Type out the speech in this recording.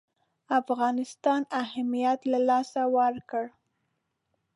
افغانستان اهمیت له لاسه ورکړ.